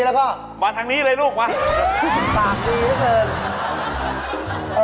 ถ้าเป็นฟรีแล้วก็